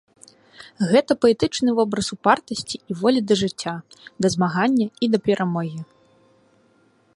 Гэта паэтычны вобраз упартасці і волі да жыцця, да змагання і да перамогі.